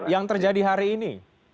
yang terjadi hari ini